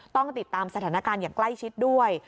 ต้องติดตามสถานการณ์อย่างใกล้ชิดด้วย